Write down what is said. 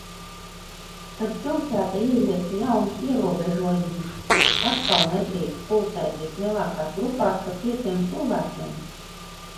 Tad pilsēta ieviesa jaunus ierobežojumus – atkal nedrīkst pulcēties lielākās grupās par pieciem cilvēkiem.